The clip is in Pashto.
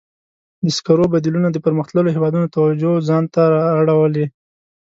د سکرو بدیلونه د پرمختللو هېوادونو توجه ځان ته را اړولې.